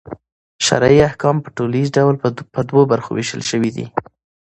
شرعي احکام په ټوليز ډول پر دوو برخو وېشل سوي دي.